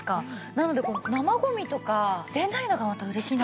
なので生ゴミとか出ないのがまた嬉しいなと思って。